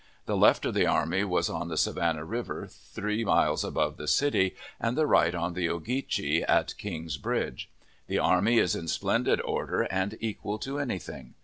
The left of the army is on the Savannah River three miles above the city, and the right on the Ogeechee, at King's Bridge. The army is in splendid order, and equal to any thing.